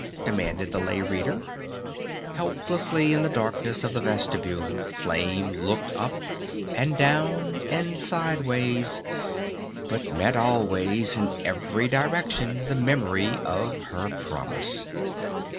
demanded the Lay Reader. Helplessly in the darkness of the vestibule Flame looked up, and down, and sideways, but met always in every direction the memory of her promise.